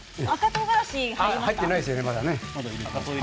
入っていないですね。